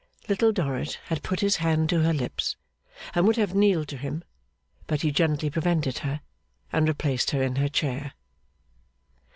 Little Dorrit had put his hand to her lips, and would have kneeled to him, but he gently prevented her, and replaced her in her chair.